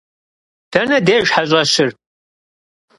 Dene dêjj heş'eşır?